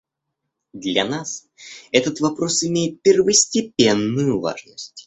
Для нас этот вопрос имеет первостепенную важность.